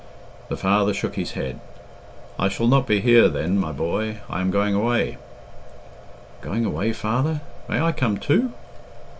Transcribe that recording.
The father shook his head. "I shall not be here then, my boy. I am going away " "Going away, father? May I come too?"